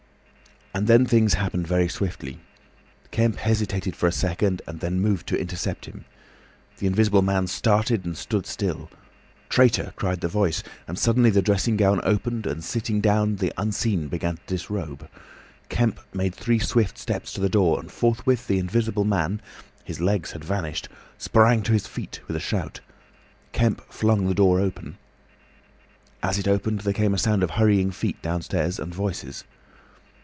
And then things happened very swiftly. Kemp hesitated for a second and then moved to intercept him. The Invisible Man started and stood still. "Traitor!" cried the Voice, and suddenly the dressing gown opened, and sitting down the Unseen began to disrobe. Kemp made three swift steps to the door, and forthwith the Invisible Man—his legs had vanished—sprang to his feet with a shout. Kemp flung the door open. As it opened, there came a sound of hurrying feet downstairs and voices.